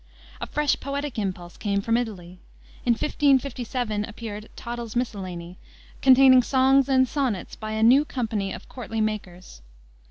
A fresh poetic impulse came from Italy. In 1557 appeared Tottel's Miscellany, containing songs and sonnets by a "new company of courtly makers."